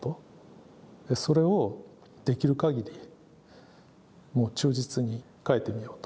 それをできるかぎりもう忠実に描いてみようと。